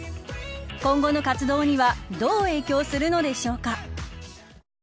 今後の活動にはどう影響するのでしょうか。